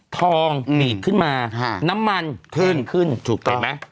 ทองหนีดขึ้นมาน้ำมันขึ้นเห็นไหม